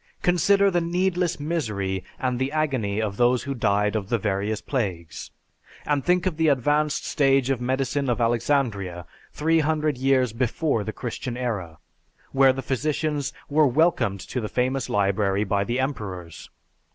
Consider the needless misery and the agony of those who died of the various plagues; and think of the advanced stage of medicine of Alexandria, three hundred years before the Christian era, where the physicians were welcomed to the famous library by the emperors.